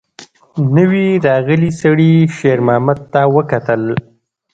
نوي راغلي سړي شېرمحمد ته وکتل.